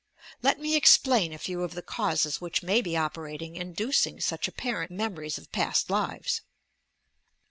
Let me explain a few of the causes which may be operating, inducing such apparent "memories of past lives."